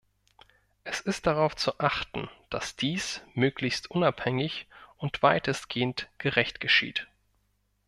Es ist darauf zu achten, dass dies möglichst unabhängig und weitestgehend gerecht geschieht.